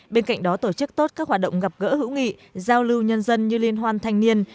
bên cạnh đó tổ chức tốt các hoạt động gặp gỡ hữu nghị giao lưu nhân dân như liên hoan thanh niên